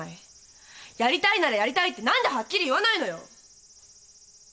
やりたいならやりたいって何ではっきり言わないのよ。